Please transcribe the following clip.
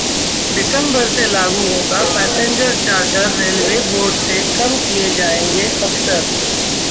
दिसंबर से लागू होगा पैसेंजर चार्टर, रेलवे बोर्ड से कम किए जाएंगे अफसर